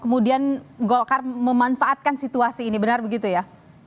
kemudian golkar memanfaatkan situasi ini benar begitu ya